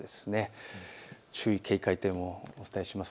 注意、警戒点をお伝えします。